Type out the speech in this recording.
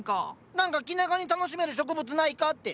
何か気長に楽しめる植物ないかって！